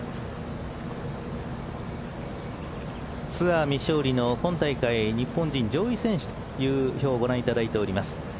ツアー未勝利の今大会日本人上位選手という表をご覧いただいています。